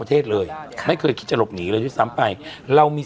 ประเทศเลยใครคือคิดจะหลบหนีเลยที่ซ้ำไปเรามี